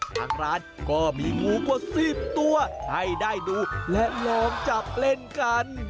ทางร้านก็มีงูกว่า๑๐ตัวให้ได้ดูและลองจับเล่นกัน